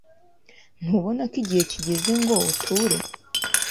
Ntubona ko igihe kigeze ngo uture?